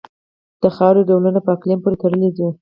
د خاورې ډولونه په اقلیم پورې تړلي دي.